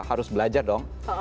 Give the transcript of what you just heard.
harus belajar dong